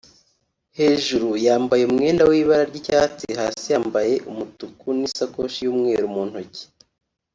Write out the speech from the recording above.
hejuru yambaye umwenda w’ibara ry’icyatsi hasi yambaye umutuku n’isakoshi y’umweru muntoki